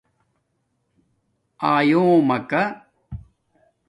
آیݸمکہ